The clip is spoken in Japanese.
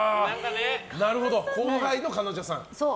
なるほど、後輩の彼女さん。